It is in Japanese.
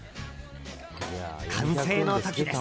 完成の時です。